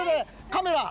カメラ！